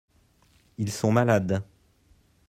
Ils sont malades.